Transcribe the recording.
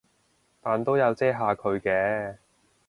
但都有遮下佢嘅